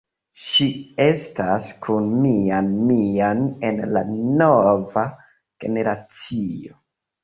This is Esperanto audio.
Ŝi estas kun Mian Mian en la "Nova generacio".